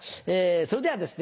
それではですね